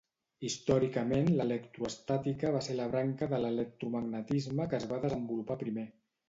Històricament l'electroestàtica va ser la branca de l'electromagnetisme que es va desenvolupar primer.